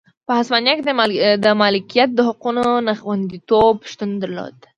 په هسپانیا کې د مالکیت د حقونو نه خوندیتوب شتون درلود.